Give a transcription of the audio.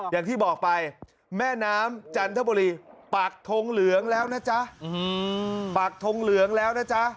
อย่างที่บอกไปแม่น้ำจันทบุรีปากทงเหลืองแล้วนะจ๊ะปากทงเหลืองแล้วนะจ๊ะ